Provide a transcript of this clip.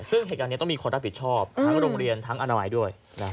ซึ่งเหตุการณ์นี้ต้องมีคนรับผิดชอบทั้งโรงเรียนทั้งอนามัยด้วย